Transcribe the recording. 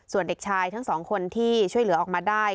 ส่วนเด็กชายทั้งสองคนที่ช่วยเหลือออกมาได้